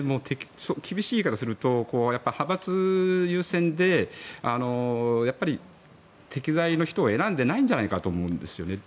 厳しい言い方をすると派閥優先で適材の人を選んでいないんじゃないかと思うんですよね。